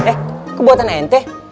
eh ke buatan ente